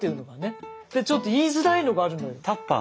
でちょっと言いづらいのがあるのよ。